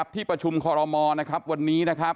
ที่ประชุมคอลโมรวันนี้